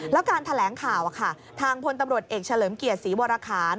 แล้วการแถลงข่าวทางพลตำรวจเอกเฉลิมเกียรติศรีวรคาร